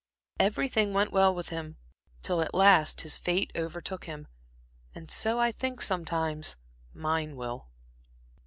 Everything went well with him, till at last his fate overtook him. And so I think, sometimes mine will."